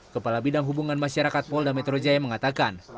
kepala bidang hubungan masyarakat polda metro jaya mengatakan